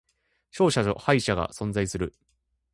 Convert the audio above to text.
勝者と敗者が存在する